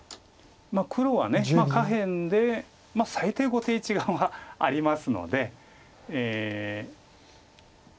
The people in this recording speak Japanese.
黒は下辺で最低後手一眼はありますので。